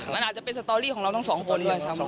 มันอาจจะเป็นสตอรี่ของเราทั้งสองคน